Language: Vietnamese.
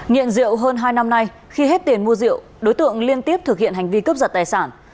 nghiện rượu hơn hai năm nay khi hết tiền mua rượu đối tượng liên tiếp thực hiện hành vi cướp giật tài sản